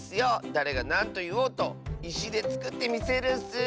だれがなんといおうといしでつくってみせるッス！